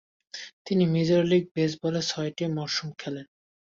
তিনি major league বেসবলে ছয়টি মরসুম খেলেন।